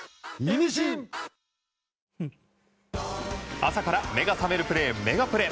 朝から目が覚めるプレーメガプレ。